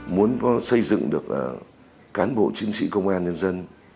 muốn xây dựng được cán bộ chiến sĩ công an nhân dân